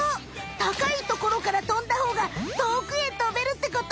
高いところからとんだほうがとおくへとべるってこと？